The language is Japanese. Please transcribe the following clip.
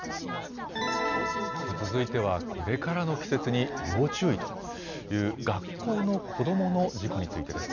続いてはこれからの季節に要注意という学校の子どもの事故についてです。